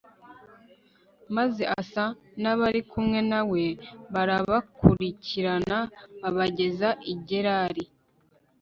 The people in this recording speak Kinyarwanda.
Maze Asa nabari kumwe na we barabakurikirana babageza i Gerari